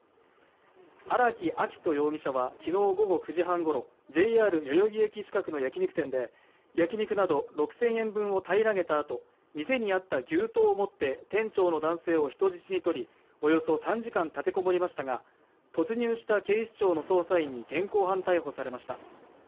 荒木秋冬容疑者は昨日午後９時半ごろＪＲ代々木駅近くの焼き肉店で焼肉など６０００円分を平らげたあと店にあった牛刀を持って店長の男性を人質にとりおよそ３時間立てこもりましたが突入した警視庁の捜査員に現行犯逮捕されました。